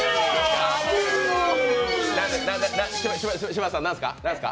柴田さん、何ですか？